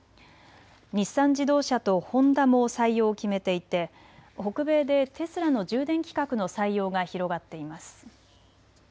日産自動車とホンダも採用を決めていて北米でテスラの充電規格の採用が広がっています。